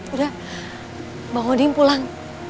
udah bang odin pulang